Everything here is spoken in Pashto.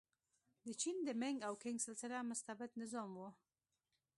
د چین د مینګ او کینګ سلسله مستبد نظام و.